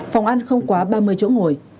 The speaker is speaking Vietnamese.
phòng ăn không quá ba mươi chỗ ngồi